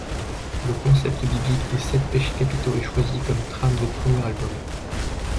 Le concept biblique des Sept péchés capitaux est choisi comme trame de premier album.